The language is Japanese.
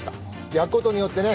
焼くことによってね